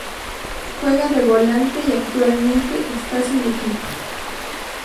Juega de volante y actualmente está sin equipo.